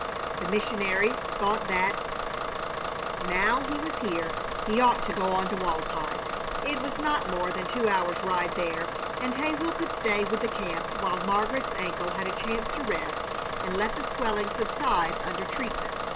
The missionary thought that, now he was here, he ought to go on to Walpi. It was not more than two hours' ride there, and Hazel could stay with the camp while Margaret's ankle had a chance to rest and let the swelling subside under treatment.